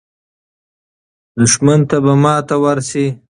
دښمن ته به ماته ورسي.